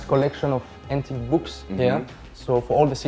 ก็เป็นที่ที่๒ที่งาน